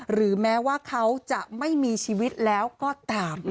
หรือแม้ว่าเขาจะไม่มีชีวิตแล้วก็ตาม